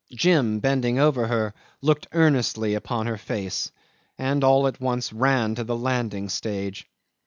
Jim, bending over her, looked earnestly upon her face, and all at once ran to the landing stage.